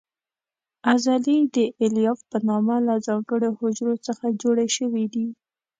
عضلې د الیاف په نامه له ځانګړو حجرو څخه جوړې شوې دي.